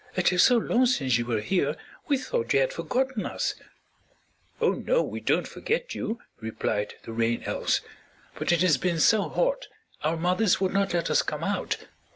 "It is so long since you were here we thought you had forgotten us." "Oh no, we didn't forget you!" replied the Rain Elves, "but it has been so hot our mothers would not let us come out.